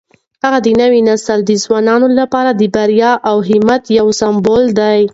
هغه د نوي نسل د ځوانانو لپاره د بریا او همت یو سمبول دی.